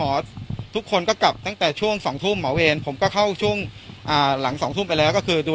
นอนไปแค่๓ชั่วโมงแบบโง่เฑี้ยงได้